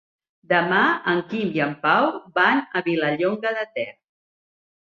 Demà en Quim i en Pau van a Vilallonga de Ter.